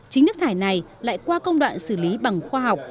chính nước thải này lại qua công đoạn xử lý bằng khoa học